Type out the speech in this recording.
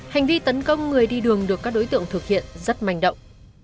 hành vi tấn công người đi đường được các đối tượng thực hiện rất manh động